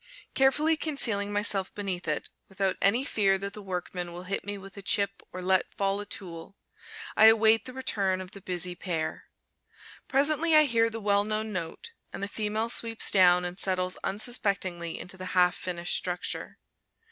Carefully concealing myself beneath it, without any fear that the workmen will hit me with a chip or let fall a tool, I await the return of the busy pair. Presently I hear the well known note, and the female sweeps down and settles unsuspectingly into the half finished structure.